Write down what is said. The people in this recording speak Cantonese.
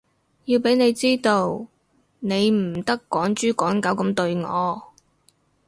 要畀你知道，你唔得趕豬趕狗噉對我